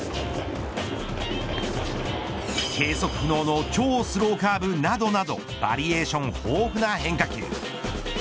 計測不能の超スローカーブなどなどバリエーション豊富な変化球。